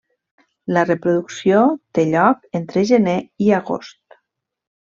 La reproducció té lloc entre gener i agost.